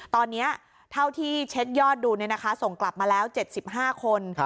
ตอนนี้เท่าที่เช็ดยอดดูเนี่ยนะคะส่งกลับมาแล้ว๗๕คน